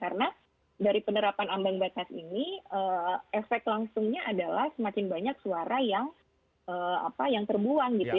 karena dari penerapan ambang batas ini efek langsungnya adalah semakin banyak suara yang terbuang gitu ya